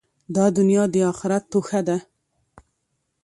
دا دؤنیا د آخرت توښه ده.